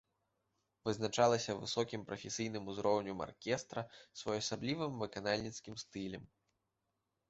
Вызначалася высокім прафесійным узроўнем аркестра, своеасаблівым выканальніцкім стылем.